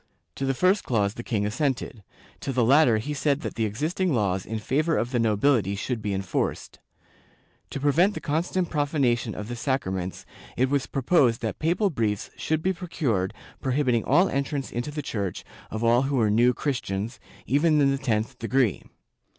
To the first clause the king assented; to the latter he said that the existing laws in favor of the nobility should be enforced. To prevent the constant profanation of the sacraments it was proposed that papal briefs should be procured prohibiting all entrance into the Church of all who were New Christians, even in the tenth degree.